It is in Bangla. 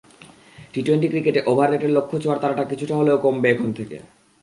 টি-টোয়েন্টি ক্রিকেটে ওভার রেটের লক্ষ্য ছোঁয়ার তাড়াটা কিছুটা হলেও কমবে এখন থেকে।